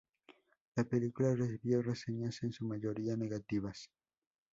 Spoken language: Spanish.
La película recibió reseñas en su mayoría negativas.